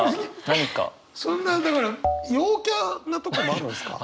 そんなだから陽キャなとこもあるんですか？